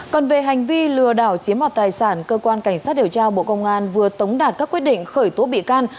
còn về hành vi lừa đảo chiếm hoạt tài sản cơ quan cảnh sát điều tra bộ công an vừa tống đạt các quyết định khởi tố bị can